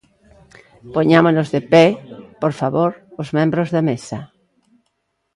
Poñámonos de pé, por favor, os membros da Mesa.